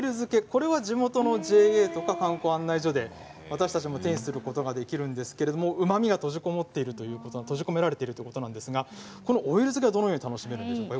これは地元のＪＡや観光案内所で私たちも手にすることができるんですがうまみが閉じ込められているということなんですがオイル漬けはどのように楽しめるんですか？